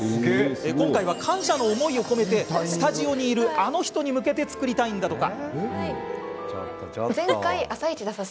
今回は感謝の思いを込めてスタジオにいる、あの人に向けて作りたいんだとか。